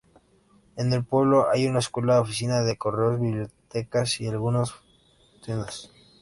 En el pueblo hay una escuela, oficina de correos, biblioteca y algunas tiendas.